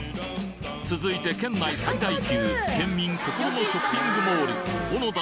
続いて県内最大級県民心のショッピングモールおのだ